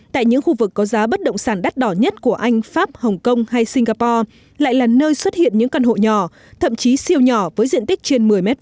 tại những khu vực có giá bất động sản đắt đỏ nhất của anh pháp hồng kông hay singapore lại là nơi xuất hiện những căn hộ nhỏ thậm chí siêu nhỏ với diện tích trên một mươi m hai